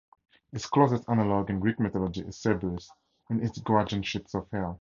Its closest analogue in Greek mythology is Cerberus, in its guardianship of hell.